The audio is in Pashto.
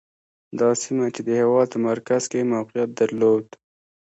دا سیمه چې د هېواد په مرکز کې یې موقعیت درلود.